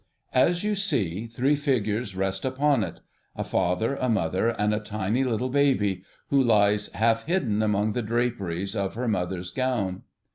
As you see, three figures rest upon it. A father, a mother, and a tiny little baby, who lies half hidden among the draperies of her mother's gown.